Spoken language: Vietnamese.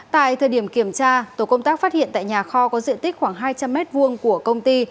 tại thời điểm kiểm tra tổ công tác phát hiện tại nhà kho có diện tích khoảng hai trăm linh m hai của công ty